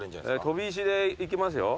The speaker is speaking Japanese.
飛び石で行きますよ。